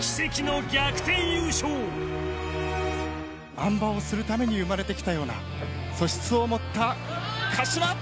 あん馬をするために生まれてきたような素質を持った鹿島。